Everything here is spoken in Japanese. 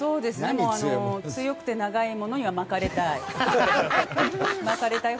強くて長いものには巻かれたい。